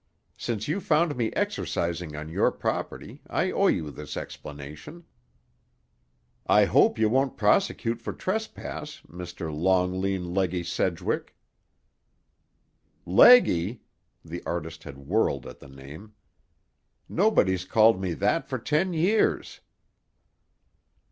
Since you found me exercising on your property, I owe you this explanation. I hope you won't prosecute for trespass, Mr. Long Lean Leggy Sedgwick." "Leggy!" The artist had whirled at the name. "Nobody's called me that for ten years."